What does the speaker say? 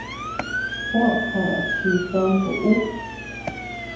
Juó koʼos chis tonto ú.